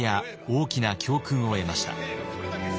大きな教訓を得ました。